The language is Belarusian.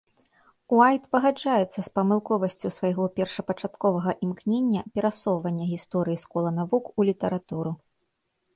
Уайт пагаджаецца з памылковасцю свайго першапачатковага імкнення перасоўвання гісторыі з кола навук у літаратуру.